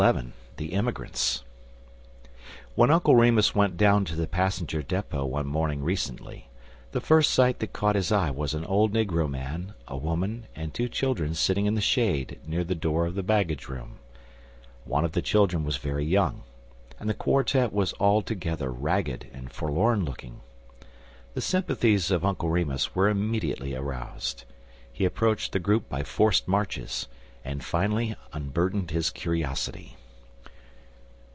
THE EMIGRANTS WHEN Uncle Remus went down to the passenger depot one morning recently, the first sight that caught his eye was an old negro man, a woman, and two children sitting in the shade near the door of the baggage room. One of the children was very young, and the quartet was altogether ragged and forlorn looking. The sympathies of Uncle Remus were immediately aroused. He approached the group by forced marches, and finally unburdened his curiosity.